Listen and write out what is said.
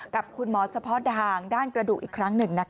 กับคุณหมอเฉพาะด่างด้านกระดูกอีกครั้งหนึ่ง